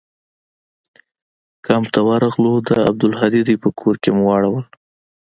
کمپ ته ورغلو د عبدالهادي دوى په کور کښې مو واړول.